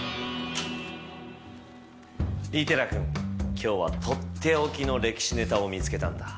今日はとっておきの歴史ネタを見つけたんだ。